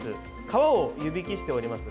皮を湯引きしております。